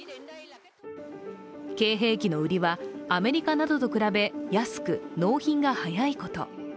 Ｋ兵器の売りは、アメリカなどと比べ、安く納品が早いこと。